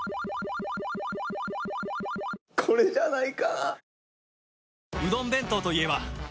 これじゃないか？